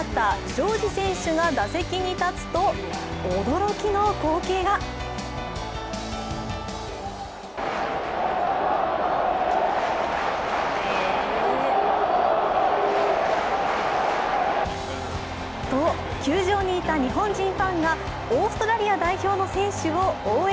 ジョージ選手が打席に立つと驚きの光景が。と球場にいた日本人ファンがオーストラリア代表の選手を応援。